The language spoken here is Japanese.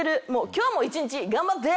今日も一日頑張って！